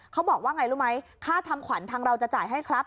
เขาบอกว่าไงรู้ไหมค่าทำขวัญทางเราจะจ่ายให้ครับ